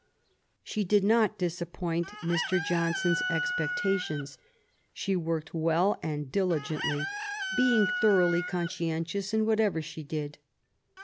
She did not disappoint Mr. Johnson's expectations. She worked well and diligently, being thoroughly con scientious in whatever she did.